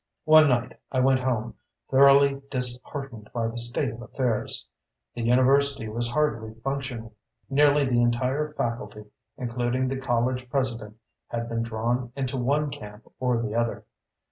One night, I went home thoroughly disheartened by the state of affairs. The university was hardly functioning. Nearly the entire faculty, including the college president, had been drawn into one camp or the other.